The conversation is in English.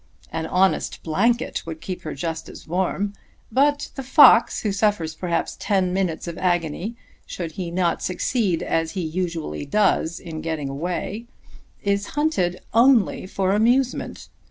An honest blanket would keep her just as warm. But the fox who suffers perhaps ten minutes of agony should he not succeed as he usually does in getting away, is hunted only for amusement!